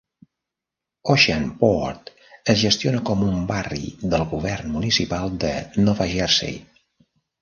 Oceanport es gestiona com un barri del govern municipal de Nova Jersey.